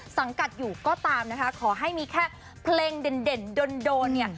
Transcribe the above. สังกัดอยู่ก็ตามนะคะขอให้มีแค่เพลงเด่นโดนเนี่ย